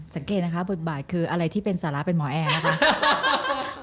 สังเกตนะคะบทบาทคืออะไรที่เป็นสาระเป็นหมอแอร์นะคะ